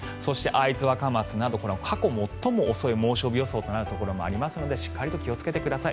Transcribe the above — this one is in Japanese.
会津若松など過去最も遅い猛暑日予想となるところもありますのでしっかりと気をつけてください。